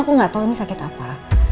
aku enggak tau ini sakit apa